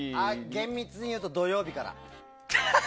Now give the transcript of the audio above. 厳密に言うと土曜日から。